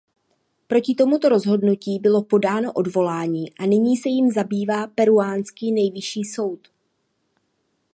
Proti tomuto rozhodnutí bylo podáno odvolání a nyní se jím zabývá peruánský nejvyšší soud.